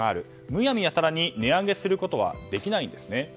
むやみやたらに値上げすることはできないんですね。